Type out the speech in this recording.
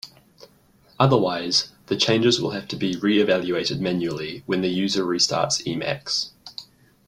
Otherwise, the changes will have to be reevaluated manually when the user restarts Emacs.